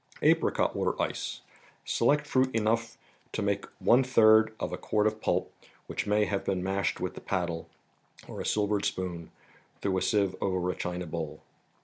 apricot mater Sice. Select fruit enough to make one third of a quart of pulp which may have been mashed with the paddle, or a silvered spoon, through a sieve over a china bowl.